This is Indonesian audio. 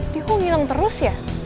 dia kok ngilang terus ya